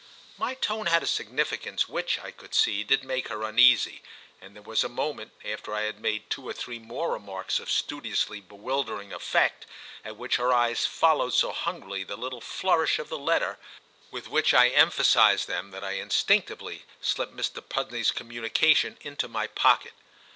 My tone had a significance which, I could see, did make her uneasy, and there was a moment, after I had made two or three more remarks of studiously bewildering effect, at which her eyes followed so hungrily the little flourish of the letter with which I emphasised them that I instinctively slipped Mr. Pudney's communication into my pocket.